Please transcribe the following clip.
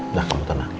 udah kamu tenang ya